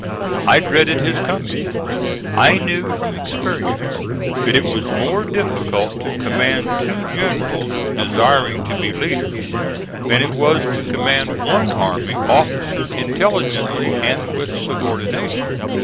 I dreaded his coming; I knew from experience that it was more difficult to command two generals desiring to be leaders than it was to command one army officered intelligently and with subordination.